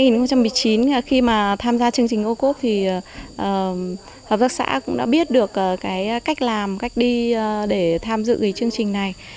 năm hai nghìn một mươi chín khi mà tham gia chương trình ô cốp thì hợp tác xã cũng đã biết được cái cách làm cách đi để tham dự chương trình này